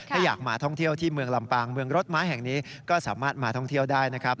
ถ้าอยากมาท่องเที่ยวที่เมืองลำปางเมืองรถไม้แห่งนี้ก็สามารถมาท่องเที่ยวได้นะครับ